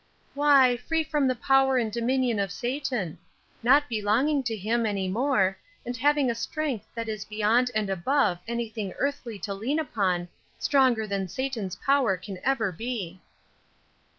"Why, free from the power and dominion of Satan; not belonging to him any more, and having a strength that is beyond and above anything earthly to lean upon, stronger than Satan's power can ever be."